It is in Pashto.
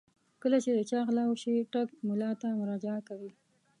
کله چې د چا غلا وشي ټګ ملا ته مراجعه کوي.